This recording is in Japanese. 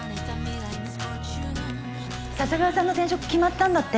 笹川さんの転職決まったんだって？